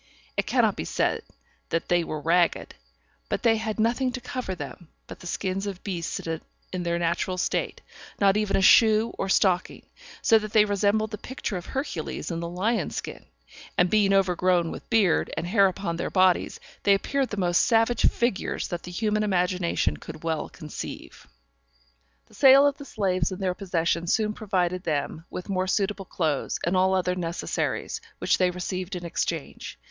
It cannot be said that they were ragged, but they had nothing to cover them but the skins of beasts in their natural state, not even a shoe or stocking; so that they resembled the pictures of Hercules in the lion's skin; and being overgrown with beard, and hair upon their bodies, they appeared the most savage figures that the human imagination could well conceive. The sale of the slaves in their possession soon provided them with more suitable clothes, and all other necessaries, which they received in exchange.